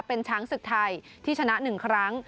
เป็นช้างศึกไทยที่ชนะ๑ครั้ง